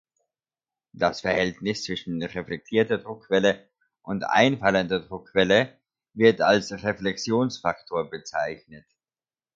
Das Verhältnis zwischen reflektierter Druckwelle und einfallender Druckwelle wird als Reflexionsfaktor bezeichnet.